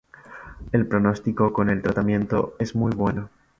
El pronóstico con el tratamiento es muy bueno.